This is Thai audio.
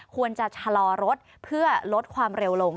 ควรจะชะลอรถเพื่อลดความเร็วลง